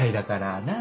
なあ？